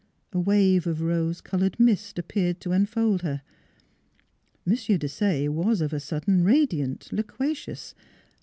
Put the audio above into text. A wave of rose colored mist appeared to enfold her. M. Desaye was of a sudden radiant, loquacious.